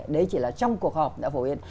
đấy chỉ là trong cuộc họp đã phổ biến